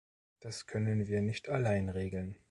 Das können wir nicht allein regeln.